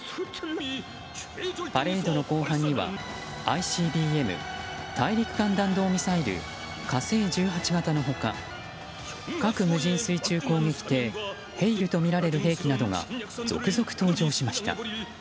パレードの後半にはＩＣＢＭ・大陸間弾道ミサイル「火星１８型」の他核無人水中攻撃艇「ヘイル」とみられる兵器などが続々登場しました。